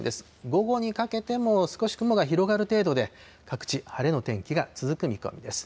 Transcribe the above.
午後にかけても少し雲が広がる程度で、各地、晴れの天気が続く見込みです。